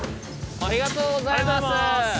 ありがとうございます。